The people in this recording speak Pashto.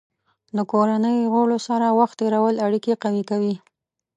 د کورنۍ غړو سره وخت تېرول اړیکې قوي کوي.